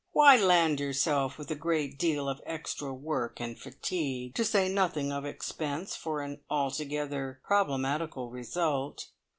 Why land yourself with a great deal of extra work and fatigue, to say nothing of expense, for an altogether problematical result!"